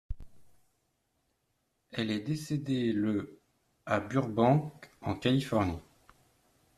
Elle est décédée le à Burbank en Californie.